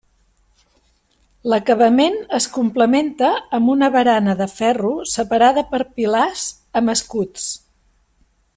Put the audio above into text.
L'acabament es complementa amb una barana de ferro separada per pilars amb escuts.